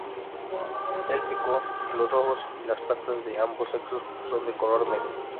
El pico, los ojos, y las patas de ambos sexos son de color negro.